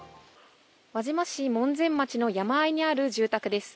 輪島市門前町の山あいにある住宅です。